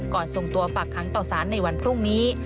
ส่งตัวฝากค้างต่อสารในวันพรุ่งนี้